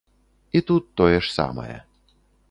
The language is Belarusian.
І тут тое ж самае.